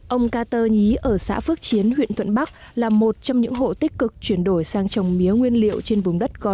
ông carter nhí ở xã phước chiến huyện thuận bắc là một trong những hộ tích cực chuyển đổi sang trồng cây trồng